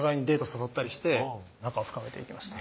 誘ったりして仲を深めていきました